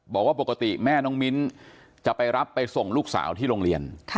บอกว่าปกติแม่น้องมิ้นจะไปรับไปส่งลูกสาวที่โรงเรียน